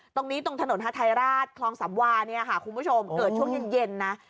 ตรงนี้ตรงถนนฮาทายราชคลองสำวาเนี่ยค่ะคุณผู้ชมเกิดช่วงเย็นนะ